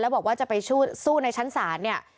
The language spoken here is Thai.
บอกว่าจะไปสู้ในชั้นศาลเนี่ย